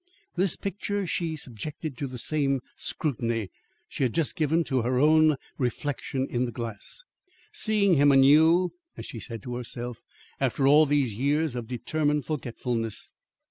This picture she subjected to the same scrutiny she had just given to her own reflection in the glass: "Seeing him anew," as she said to herself, "after all these years of determined forgetfulness."